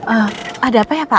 oh ada apa ya pak